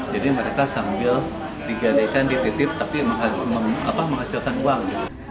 jadi mereka sambil digadeikan dititip tapi menghasilkan uang